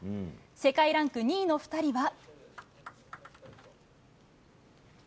世界ランク２位の２人は。